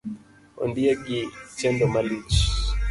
Ondiegi chendo malich